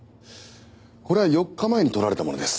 これは４日前に撮られたものです。